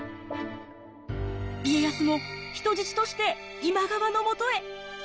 家康も人質として今川のもとへ。